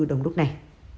đồng lúc này